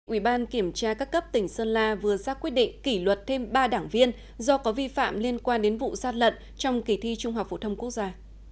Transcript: ủy ban kiểm tra các cấp tỉnh sơn la vừa ra quyết định kỷ luật thêm ba đảng viên do có vi phạm liên quan đến vụ sát lận trong kỳ thi trung học phổ thông quốc gia